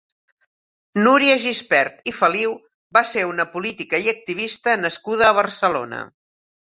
Núria Gispert i Feliu va ser una política i activista nascuda a Barcelona.